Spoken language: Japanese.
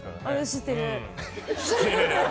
知ってる。